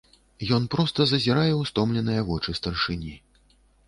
Ён проста зазірае ў стомленыя вочы старшыні.